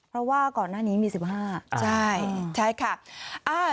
เพราะว่าก่อนหน้านี้มี๑๕ใช่ใช่ค่ะ